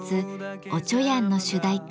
「おちょやん」の主題歌